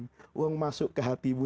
jangankan untuk masuk ke hati orang lain